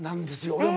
俺も。